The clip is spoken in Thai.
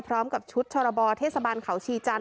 พร้อมกับชุดช่วงระบอเทศบาลข่าวชีจันทร์